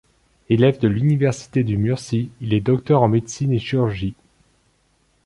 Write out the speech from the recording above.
Élève de l'université de Murcie, il est docteur en médecine et chirurgie.